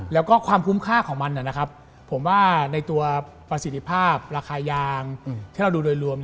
แล้วก็ความคุ้มค่าของมันนะครับผมว่าในตัวประสิทธิภาพราคายางที่เราดูโดยรวม